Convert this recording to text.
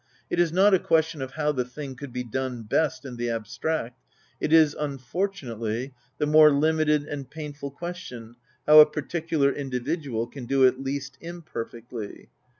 It is not a question of how the thing could be done best, in the abstract ; it is, unfortunately, the more limited and painful question, how a particular individual can do it least imperfectly.